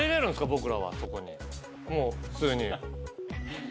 僕らはそこに普通に。